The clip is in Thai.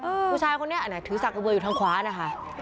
นี่ผู้ชายคนนี้ถือสากเอาเบลออยู่ทางขวานะคะ